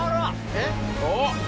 えっ？